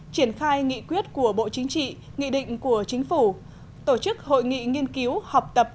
triển khai nghị quyết của bộ chính trị nghị định của chính phủ tổ chức hội nghị nghiên cứu học tập